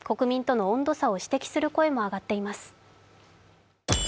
国民との温度差を指摘する声も上がっています。